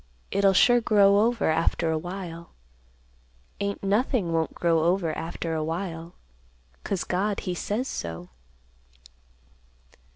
It'll sure grow over after awhile. Ain't nothing won't grow over after awhile; 'cause God he says so."